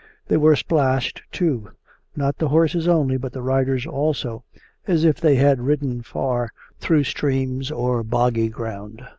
They were splashed, too, not the horses only, but the riders, also, as if they had ridden far, through streams or boggy ground.